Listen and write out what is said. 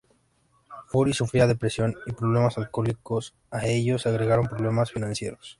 Fury sufría depresiones y problemas alcohólicos, a ello se agregaron problemas financieros.